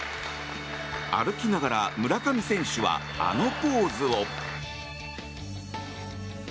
歩きながら、村上選手はあのポーズを。